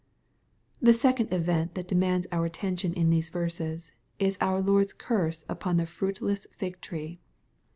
The second event that demands our attention ii^ these verses, is our Lord's curse upon the fruitless Jig 4ree.